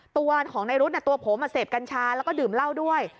ตัวของในรุ๊ดตัวผมเสพกัญชาแล้วก็ดื่มเหล้าด้วย